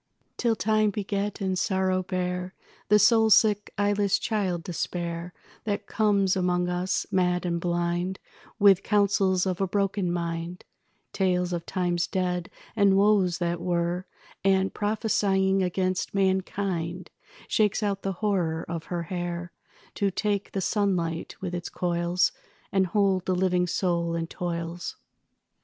Till time beget and sorrow bear The soul sick eyeless child despair, That comes among us, mad and blind, With counsels of a broken mind, Tales of times dead and woes that were, And, prophesying against mankind, Shakes out the horror of her hair To take the sunlight with its coils And hold the living soul in toils.